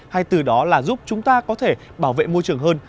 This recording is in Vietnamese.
hay từ đó là giúp chúng ta có thể bảo vệ môi trường hơn